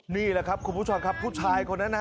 นี่แหละครับคุณผู้ชมครับผู้ชายคนนั้นนะฮะ